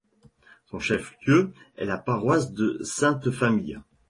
Son chef-lieu est la paroisse de Sainte-Famille.